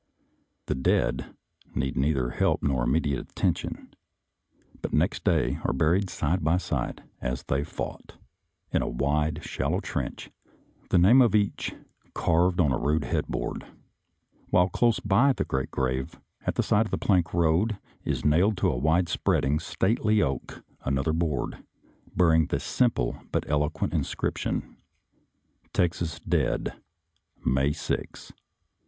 The dead need neither help nor immediate at tention, but next day are buried side by side, as they fought, in a wide, shallow trench, the name of each carved on a rude headboard, while close by the great grave at the side of the plank road is nailed to a wide spreading, stately oak another board, bearing the simple but eloquent inscription :" Texas Dead — May 6, 1864."